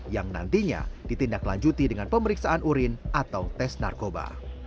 yang nantinya ditindaklanjuti dengan pemeriksaan urin atau tes narkoba